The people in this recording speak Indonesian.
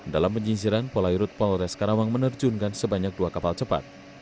dalam penyisiran polairut polres karawang menerjunkan sebanyak dua kapal cepat